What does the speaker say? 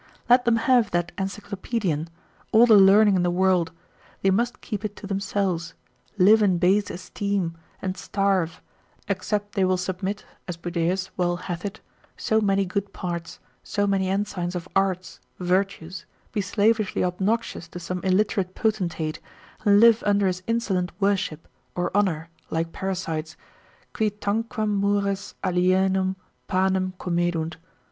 Let them have that encyclopaedian, all the learning in the world; they must keep it to themselves, live in base esteem, and starve, except they will submit, as Budaeus well hath it, so many good parts, so many ensigns of arts, virtues, be slavishly obnoxious to some illiterate potentate, and live under his insolent worship, or honour, like parasites, Qui tanquam mures alienum panem comedunt.